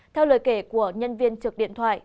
theo lời kể của nhân viên trực điện thoại